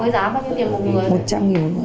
cái giá bao nhiêu tiền một người